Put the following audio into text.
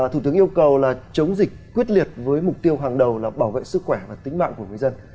thủ tướng yêu cầu là chống dịch quyết liệt với mục tiêu hàng đầu là bảo vệ sức khỏe và tính mạng của người dân